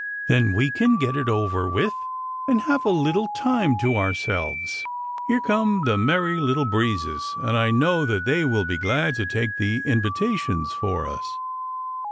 Then we can get it over with and have a little time to ourselves. Here come the Merry Little Breezes, and I know that they will be glad to take the invitations for us."